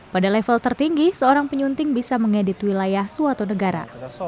pada level tertinggi seorang penyunting bisa mengedit wilayah suatu negara